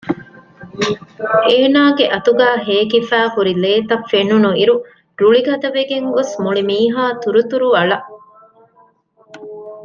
އޭނާ އަތުގައި ހޭކިފައި ހުރި ލޭތައް ފެނުނުއިރު ރުޅި ގަދަވެގެން ގޮސް މުޅިމީހާ ތުރުތުރު އަޅަ